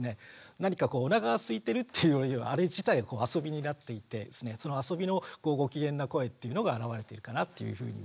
何かこうおなかがすいてるっていうよりはあれ自体遊びになっていてその遊びのご機嫌な声っていうのが現れてるかなっていうふうには。